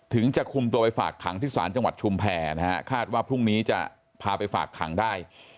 จะคุมตัวไปฝากขังที่ศาลจังหวัดชุมแพรนะฮะคาดว่าพรุ่งนี้จะพาไปฝากขังได้